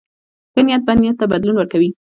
ښه نیت بد نیت ته بدلون ورکوي.